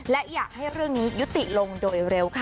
และอยากให้เรื่องนี้ยุติลงโดยเร็วค่ะ